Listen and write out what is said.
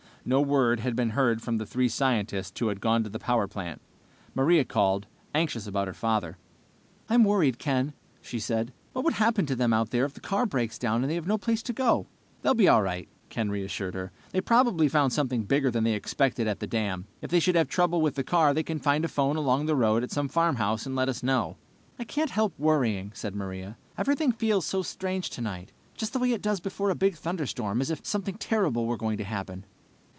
No word had been heard from the three scientists who had gone to the power plant. Maria called, anxious about her father. "I'm worried, Ken," she said. "What would happen to them out there if the car breaks down and they have no place to go?" "They'll be all right," Ken reassured her. "They probably found something bigger than they expected at the dam. If they should have trouble with the car they can find a phone along the road at some farmhouse and let us know." "I can't help worrying," said Maria. "Everything feels so strange tonight, just the way it does before a big thunderstorm, as if something terrible were going to happen!"